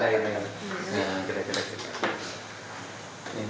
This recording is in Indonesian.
nah kira kira gitu